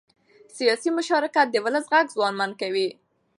سیاسي مشارکت د ولس غږ ځواکمن کوي